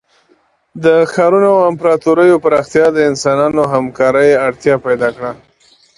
د ښارونو او امپراتوریو پراختیا د انسانانو همکارۍ اړتیا پیدا کړه.